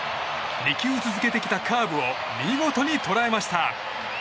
２球続けてきたカーブを見事に捉えました！